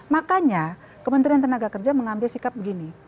makanya kementerian tenaga kerja mengambil sikap begini